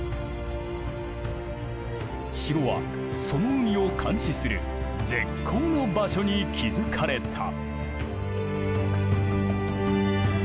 城はその海を監視する絶好の場所に築かれた。